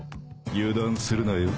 油断するなよ。